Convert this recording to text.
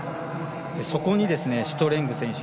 そこにシュトレング選手